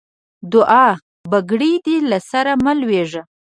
دوعا؛ بګړۍ دې له سره مه لوېږه.